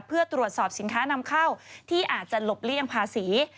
เพื่อตรวจสอบสินค้านำเข้าที่อาจจะหลบเลี่ยงภาษี